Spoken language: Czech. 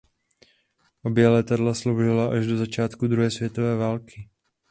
Obě letadla sloužila až do začátku druhé světové války.